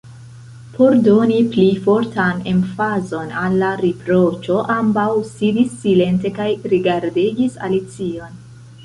Por doni pli fortan emfazon al la riproĉo, ambaŭ sidis silente kaj rigardegis Alicion.